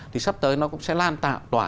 thì sắp tới nó cũng sẽ lan tỏa